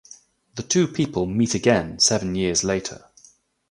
The two people meet again seven years later.